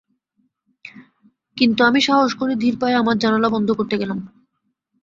কিন্তু আমি সাহস করে ধীর পায়ে আমার জানালা বন্ধ করতে গেলাম।